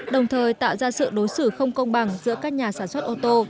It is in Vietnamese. đồng thời tạo ra sự đối xử không công bằng giữa các nhà sản xuất ô tô